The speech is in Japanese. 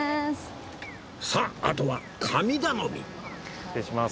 さああとは神頼み